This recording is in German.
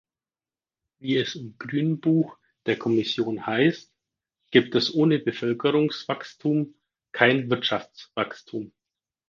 Wie es im Grünbuch der Kommission heißt, gibt es ohne Bevölkerungswachstum kein Wirtschaftswachstum.